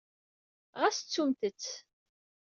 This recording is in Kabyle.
Ɣas ttumt-tt.